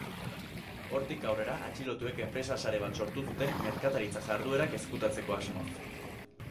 Hortik aurrera, atxilotuek enpresa-sare bat sortu zuten, merkataritza-jarduerak ezkutatzeko asmoz.